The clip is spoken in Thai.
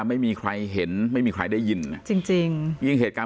ไม่มีใครเห็นไม่มีใครได้ยินนะจริงจริงยิ่งเหตุการณ์